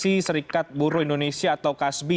sekjen siserikat buruh indonesia atau kasbi